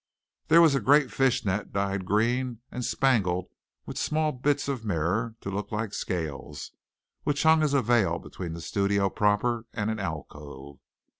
There was a great fish net dyed green and spangled with small bits of mirror to look like scales which hung as a veil between the studio proper and an alcove.